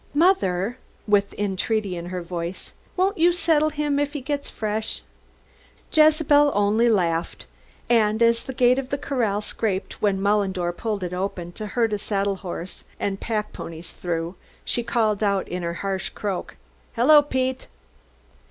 Mother," with entreaty in her voice, "won't you settle him if he gets fresh?" Jezebel only laughed and as the gate of the corral scraped when Mullendore pulled it open to herd a saddle horse and pack ponies through, she called out in her harsh croak: "Hello, Pete!"